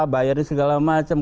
bayar di segala macam